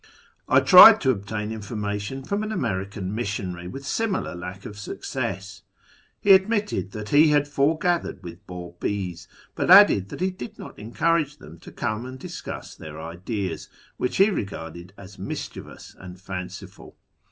I tried to obtain information from an American missionary, with similar lack of success. He admitted that he had fore gathered with Babis, but added that he did not encourage them to come and discuss their ideas, which he regarded as mischievous and fanciful.